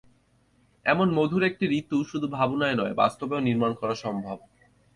এমন মধুর একটি ঋতু শুধু ভাবনায় নয়, বাস্তবেও নির্মাণ করা সম্ভব।